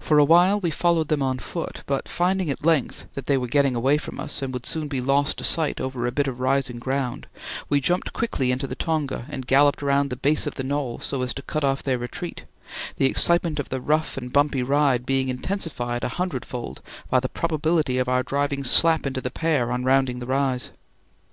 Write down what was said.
For a while we followed them on foot; but finding at length that they were getting away from us and would soon be lost to sight over a bit of rising ground, we jumped quickly into the tonga and galloped round the base of the knoll so as to cut off their retreat, the excitement of the rough and bumpy ride being intensified a hundred fold by the probability of our driving slap into the pair on rounding the rise.